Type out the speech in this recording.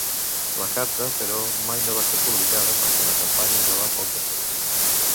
La carta, però, mai no va ser publicada perquè la campanya acabà poc després.